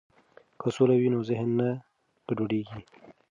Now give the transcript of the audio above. که سوله وي نو ذهن نه ګډوډیږي.